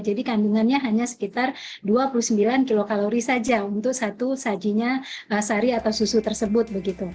jadi kandungannya hanya sekitar dua puluh sembilan kilokalori saja untuk satu sajinya sari atau susu tersebut